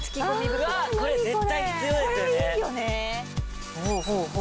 これ絶対必要ですよね。